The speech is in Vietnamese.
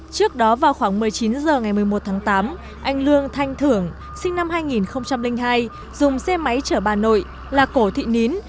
trước đó vào khoảng một mươi chín h ngày một mươi một tháng tám anh lương thanh thưởng sinh năm hai nghìn hai dùng xe máy chở bà nội là cổ thị nín